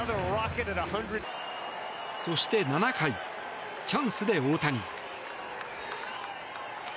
そして７回、チャンスで大谷。